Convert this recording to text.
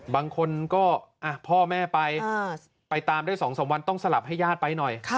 บางคนก็พ่อแม่ไปไปตามได้๒๓วันต้องสลับให้ญาติไปหน่อย